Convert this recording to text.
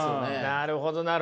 なるほど。